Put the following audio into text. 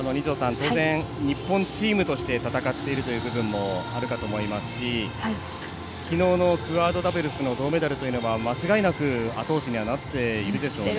当然、日本チームとして戦っているという部分もあるかと思いますし昨日のクアードダブルスの銅メダルというのは間違いなく後押しになっているでしょうね。